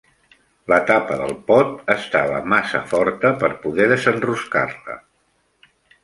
La tapa del pot estava massa forta per poder desenroscar-la.